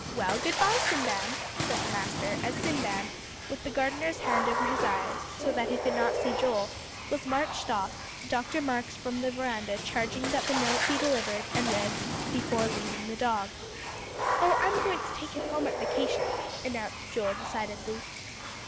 Well, good bye, Sinbad," said the master, as Sinbad, with the gardener's hand over his eyes, so that he could not see Joel, was marched off, Dr. Marks from the veranda charging that the note be delivered and read before leaving the dog. "Oh, I'm going to take him home at vacation," announced Joel decidedly.